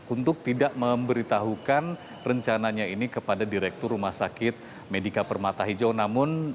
untuk tidak memberitahukan rencananya ini kepada direktur rumah sakit medika permata hijau